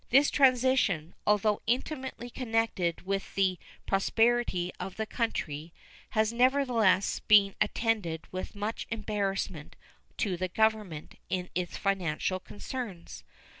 This transition, although intimately connected with the prosperity of the country, has nevertheless been attended with much embarrassment to the Government in its financial concerns.